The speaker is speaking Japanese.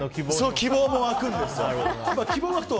希望がわくんですよ。